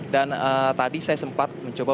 dan tadi saya sempat mencoba